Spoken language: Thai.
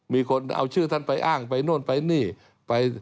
มีคนเอาชื่อท่านไปอ้างไปโน่นไปนี่ไป